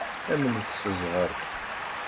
Amnet s zzheṛ!